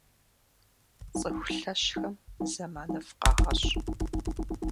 Цӏыху лъэщхэм зэманыфӏ къагъэщӏ.